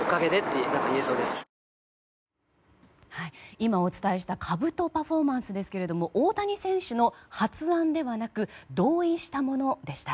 今お伝えしたかぶとパフォーマンスですが大谷選手の発案ではなく同意したものでした。